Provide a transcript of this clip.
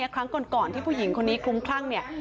ครั้งก่อนที่ผู้หญิงคนนี้คลุ้มคลั่งเนี่ย